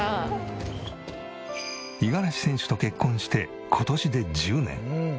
五十嵐選手と結婚して今年で１０年。